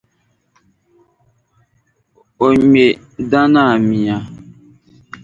O ŋme Danaa mia.